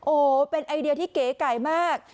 โอ้โหเป็นไอเดียที่เก๋ไก่มาก